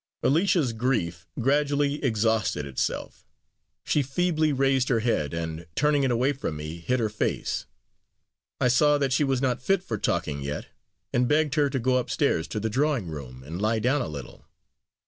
Alicia's grief gradually exhausted itself. She feebly raised her head, and, turning it away from me, hid her face. I saw that she was not fit for talking yet, and begged her to go upstairs to the drawing room and lie down a little.